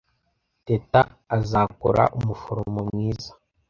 Teta azakora umuforomo mwiza.